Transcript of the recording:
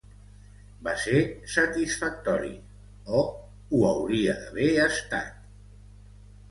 Va ser satisfactori, o ho hauria d'haver estat.